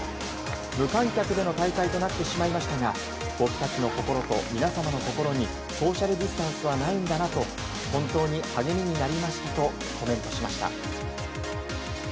無観客での大会となってしまいましたが僕たちの心と皆様の心にソーシャルディスタンスはないんだなと本当に励みになりましたとコメントしました。